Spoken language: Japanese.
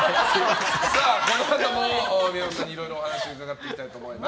このあとも宮本さんにいろいろ伺っていきたいと思います。